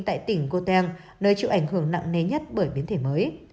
tại tỉnh cô teng nơi chịu ảnh hưởng nặng nề nhất bởi biến thể mới